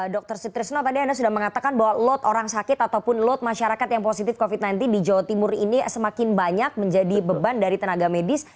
dr sutrisno tadi anda sudah mengatakan bahwa load orang sakit ataupun load masyarakat yang positif covid sembilan belas di jawa timur ini semakin banyak menjadi beban dari tenaga medis